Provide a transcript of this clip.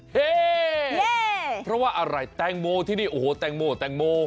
เฮ่เพราะว่าอะไรแตงโมที่นี่โอ้โหแตงโมแตงโม